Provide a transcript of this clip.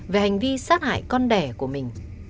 về hành vi sát hại con đẻ của mình